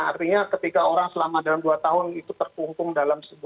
artinya ketika orang selama dalam dua tahun itu terkungkung dalam sebuah